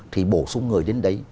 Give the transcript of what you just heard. thì bổ sung người đến đấy